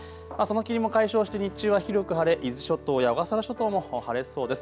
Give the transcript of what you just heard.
その霧も解消して日中は広く晴れ伊豆諸島や小笠原諸島も晴れそうです。